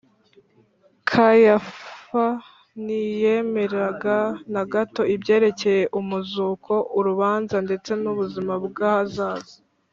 kayafa ntiyemeraga na gato ibyerekeye umuzuko, urubanza, ndetse n’ubuzima bw’ahazaza